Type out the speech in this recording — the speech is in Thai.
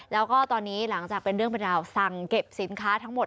แล้วก็ตอนนี้หลังจากเป็นเรื่องเป็นราวสั่งเก็บสินค้าทั้งหมด